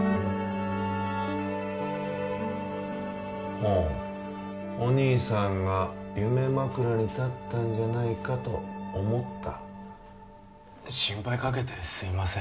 ほうお兄さんが夢枕に立ったんじゃないかと思った心配かけてすいません